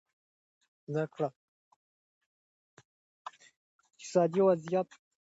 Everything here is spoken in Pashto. زده کړه ښځه د اقتصادي پریکړو مسؤلیت پر غاړه اخلي.